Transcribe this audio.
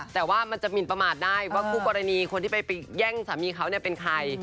แต่ว่ามันจะหมินประมาทได้ว่าคู่กรณีคนที่ไปแย่งสามีเขาเป็นใคร